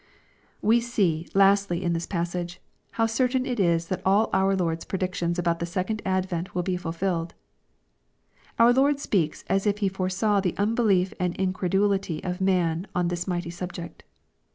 We see, lastly, in this jjassage, how certain it is that all our Lord's predictions about the second advent tvillbefui fUed. Our Lord speaks as if He foresaw the unbelief and incredulity of man on this mighty subject.